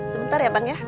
sebentar ya bang ya